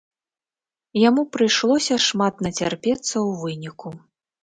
Яму прыйшлося шмат нацярпецца ў выніку.